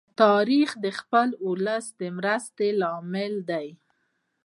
تاریخ د خپل ولس د مرستی لامل دی.